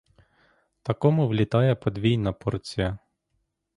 Такому влітає подвійна порція.